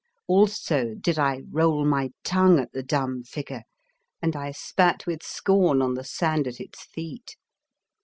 Also did I roll my tongue at the dumb figure and I spat with scorn on the sand at its feet.